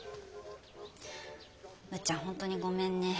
むっちゃんほんとにごめんね。